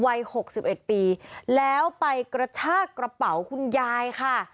หกสิบเอ็ดปีแล้วไปกระชากระเป๋าคุณยายค่ะ